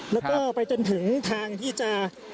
แล้วก็ไปจนถึงทางที่จะ